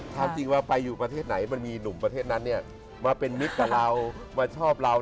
ถามจริงว่าไปอยู่ประเทศไหนมันมีหนุ่มประเทศนั้นมาเป็นมิตรกับเรามาชอบเรา